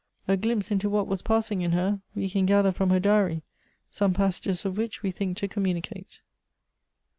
A glimpse into what was passing in her we can gather from her Diary, some passages of which we think to communicate.